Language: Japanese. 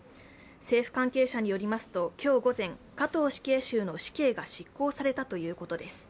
政府関係者によりますと今日午前加藤死刑囚の死刑が執行されたということです。